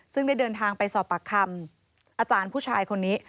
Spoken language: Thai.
ซึ่งได้เดินทางไปสอบปากคำอาจารย์ผู้ชายคนนี้